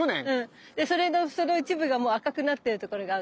それのその一部がもう赤くなってる所があるでしょ。